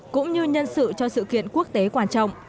cũng như nhân sự cho sự kiện quốc tế quan trọng